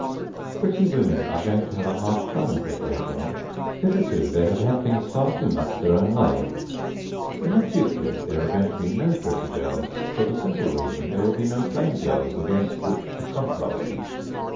PRETTY women are going to have a hard time of it later on. Hitherto, they have had things far too much their own way. In the future there are going to be no pretty girls, for the simple reason there will be no plain girls against which to contrast them.